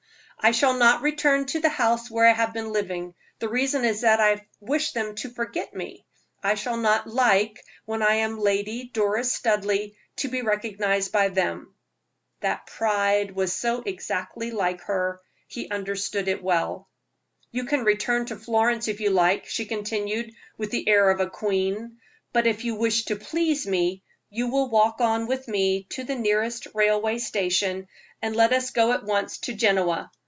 "I shall not return to the house where I have been living. The reason is that I wish them to forget me. I shall not like, when I am Lady Doris Studleigh, to be recognized by them." That pride was so exactly like her, he understood it well. "You can return to Florence, if you like," she continued, with the air of a queen; "but if you wish to please me, you will walk on with me to the nearest railway station, and let us go at once to Genoa.